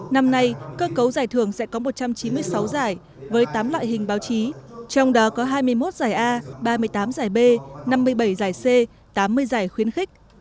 năm nay cơ cấu giải thưởng sẽ có một trăm chín mươi sáu giải với tám loại hình báo chí trong đó có hai mươi một giải a ba mươi tám giải b năm mươi bảy giải c tám mươi giải khuyến khích